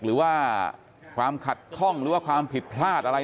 หรือว่าความขัดข้องหรือว่าความผิดพลาดอะไร